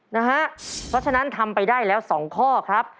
เพราะฉะนั้นทำไปได้แล้ว๒ข้อครับ